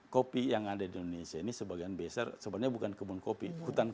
kopi yang ada di indonesia ini sebagian besar sebenarnya bukan kebun kopi